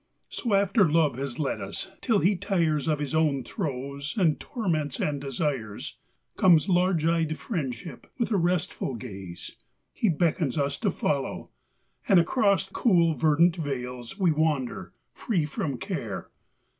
So after Love has led us, till he tires Of his own throes, and torments, and desires, Comes large eyed friendship: with a restful gaze, He beckons us to follow, and across Cool verdant vales we wander free from care.